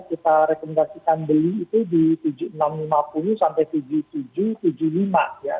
kita rekomendasikan beli itu di tujuh ribu enam ratus lima puluh sampai tujuh puluh tujuh tujuh puluh lima ya